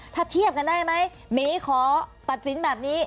ถ้าเทียบกันได้ไหมหมีขอตัดสินแบบนี้